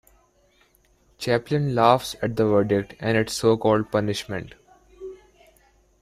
Chaplin laughs at the verdict and its so-called punishment.